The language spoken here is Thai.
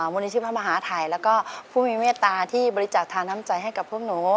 มูลนิธิพระมหาทัยแล้วก็ผู้มีเมตตาที่บริจาคทานน้ำใจให้กับพวกหนู